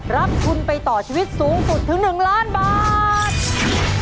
รับทุนไปต่อชีวิตสูงสุดถึง๑ล้านบาท